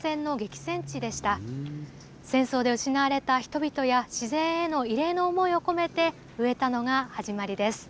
戦争で失われた人々や、自然への慰霊の思いを込めて植えたのが始まりです。